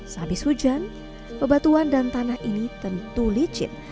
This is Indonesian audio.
sehabis hujan bebatuan dan tanah ini tentu licin